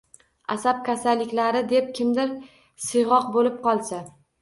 Asab kasalliklari deb kimdir siyg’oq bo’lib qolsa